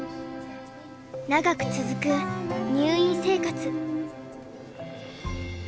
長く続く入院生活。